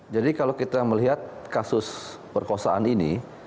jadi kalau kita melihat kasus perkosaan ini